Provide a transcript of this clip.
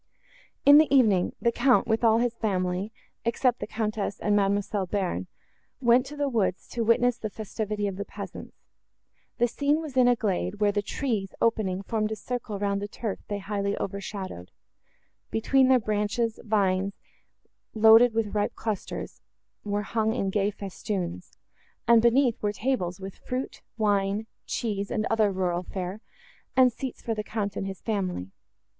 In the evening, the Count, with all his family, except the Countess and Mademoiselle Bearn, went to the woods to witness the festivity of the peasants. The scene was in a glade, where the trees, opening, formed a circle round the turf they highly overshadowed; between their branches, vines, loaded with ripe clusters, were hung in gay festoons; and, beneath, were tables, with fruit, wine, cheese and other rural fare,—and seats for the Count and his family.